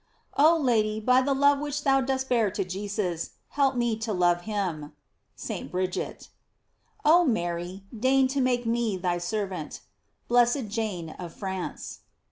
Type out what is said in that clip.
Oh Lady, by the love which thou dost bear to Jesus, help me to love him. — St. Bridget. Oh Mary, deign to make me thy servant. — Blessed Jane of France.